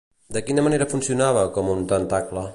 De quina manera funcionava com un tentacle?